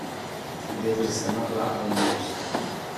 Devo sistemarla a ogni costo.